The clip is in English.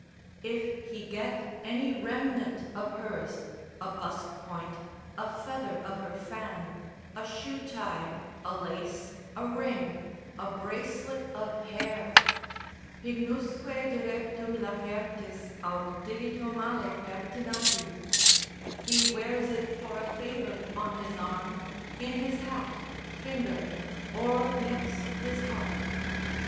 If he get any remnant of hers, a busk point, a feather of her fan, a shoe tie, a lace, a ring, a bracelet of hair, Pignusque direptum lacertis; Aut digito male pertinaci, he wears it for a favour on his arm, in his hat, finger, or next his heart.